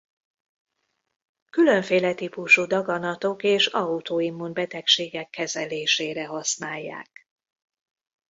Különféle típusú daganatok és autoimmun betegségek kezelésére használják.